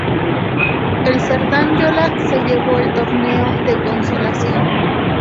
El Cerdanyola se llevó el Torneo de Consolación.